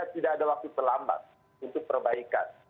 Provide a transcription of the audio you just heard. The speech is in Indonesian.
tidak ada waktu terlambat untuk perbaikan